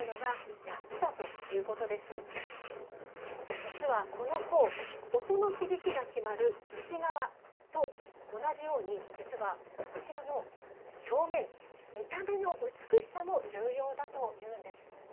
実はこの甲音の響きが決まる内側と同じように実はこちらの表面見た目の美しさも重要だというんです。